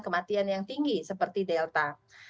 kematian yang tinggi seperti delta